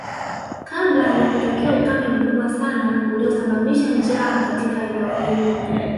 Kabla ya kutokea ukame mkubwa sana uliosababisha njaa katika eneo hilo